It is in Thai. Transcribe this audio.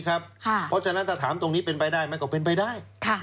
เพราะฉะนั้นถ้าถามตรงนี้เป็นไปได้มันก็เป็นไปได้